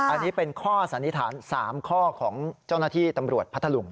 อันนี้เป็นข้อสันนิษฐาน๓ข้อของเจ้าหน้าที่ตำรวจพัทธลุง